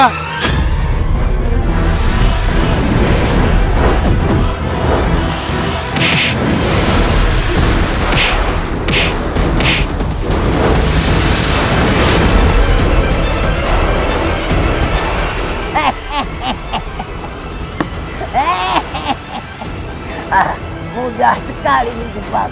ah mudah sekali menjumpaku